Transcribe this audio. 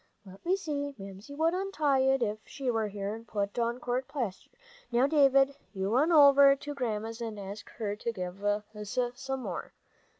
"Let me see, Mamsie would untie it if she were here, and put on court plaster. Now, David, you run over to Grandma's and ask her to give us some more.